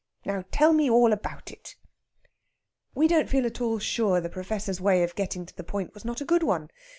Now tell me all about it." We don't feel at all sure the Professor's way of getting to the point was not a good one.